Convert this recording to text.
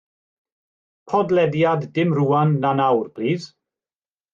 Podlediad Dim Rwan Na Nawr plîs